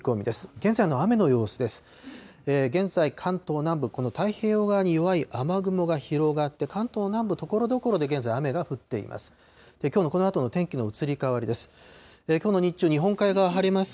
現在、関東南部、この太平洋側に弱い雨雲が広がって、関東南部、ところどころで現在、雨が降っています。